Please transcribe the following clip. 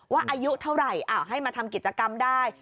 อายุเท่าไหร่ให้มาทำกิจกรรมได้